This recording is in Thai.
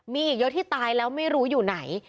มีอีกเยอะที่ตายแล้วไม่รู้อยู่ไหน